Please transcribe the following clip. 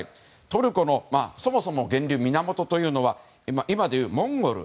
トルコの、そもそも源流源というのは今でいうモンゴル